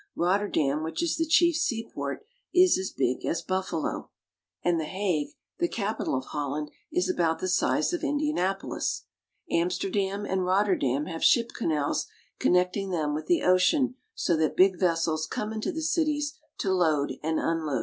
Rotter dam, which is the chief seaport, is as big as Buffalo. IN THE DUTCH CITIES. H5 and The Hague (hag), the capital of Holland, is about the size of Indianapolis. Amsterdam and Rotterdam have ship canals connecting them with the ocean, so that big vessels come into the cities to load and unload. P H BpWrIP I rT .:. ^x .:.. 1